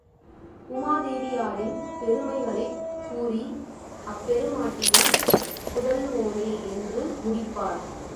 உமாதேவியாரின் பெருமைகளைக் கூறி அப்பெருமாட்டியின் புதல்வோனே என்று முடிப்பார்.